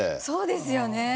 そうですよね。